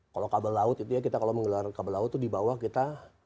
kalau kabel laut itu ya kita kalau menggelar kabel laut itu di bawah kita